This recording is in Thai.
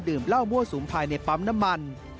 เหล้ามั่วสุมภายในปั๊มน้ำมัน